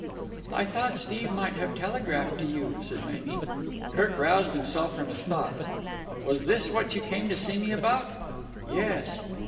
"I thought Steve might have telegraphed to you," said Mamie. Kirk roused himself from his thoughts. "Was this what you came to see me about?" "Yes."